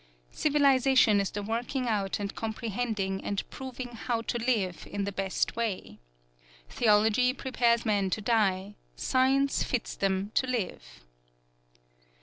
Civilization is the working out and comprehending and proving how to live in the best way. Theology prepares men to die; science fits them to live.